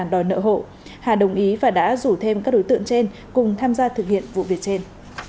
đòi nợ hộ hà đồng ý và đã rủ thêm các đối tượng trên cùng tham gia thực hiện vụ việc trên